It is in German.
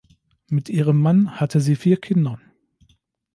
Mit ihrem Mann hatte sie vier Kinder.